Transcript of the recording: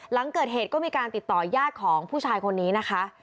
หลังเกิดเหตุก็มีการติดต่อยาดของผู้ชายคนนี้นะคะ